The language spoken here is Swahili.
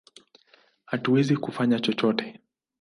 Hatuwezi kufanya chochote!